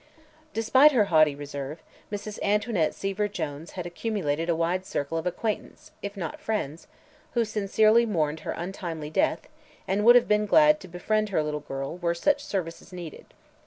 Despite her haughty reserve, Mrs. Antoinette Seaver Jones had accumulated a wide circle of acquaintances if not friends who sincerely mourned her untimely death and would have been glad to befriend her little girl were such services needed.